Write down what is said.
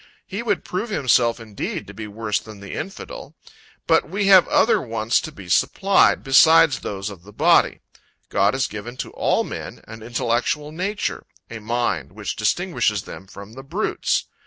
he would prove himself indeed to be worse than the infidel. But we have other wants to be supplied, beside those of the body. God has given to all men an intellectual nature a mind, which distinguishes them from the brutes.